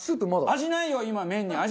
味ないよ！